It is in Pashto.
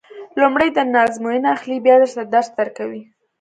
لومړی درنه ازموینه اخلي بیا درته درس درکوي.